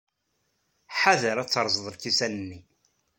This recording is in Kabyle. Ḥader ad terrẓed lkisan-nni.